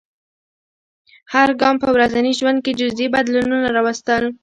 هر ګام په ورځني ژوند کې جزیي بدلونونه راوستل.